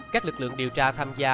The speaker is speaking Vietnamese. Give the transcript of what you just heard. các lực lượng điều tra tham gia